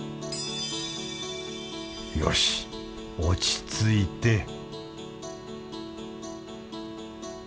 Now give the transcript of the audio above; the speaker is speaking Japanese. よし落ち着いて